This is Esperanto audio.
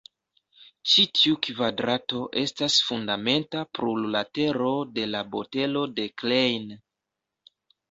Ĉi tiu kvadrato estas fundamenta plurlatero de la botelo de Klein.